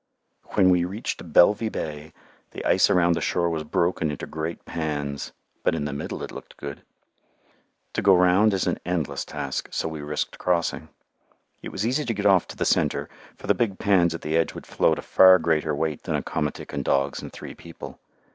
When we reached Belvy Bay the ice around the shore was broken into great pans, but in the middle it looked good. To go round is an endless task, so we risked crossing. It was easy to get off to the centre, for the big pans at the edge would float a far greater weight than a komatik and dogs and three people.